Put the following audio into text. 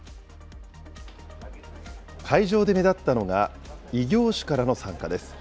会場で目立ったのが、異業種からの参加です。